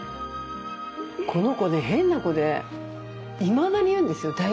この子ね変な子でいまだに言うんですよ